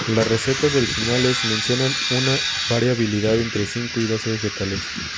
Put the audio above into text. Las recetas originales mencionan una variabilidad entre cinco y doce vegetales.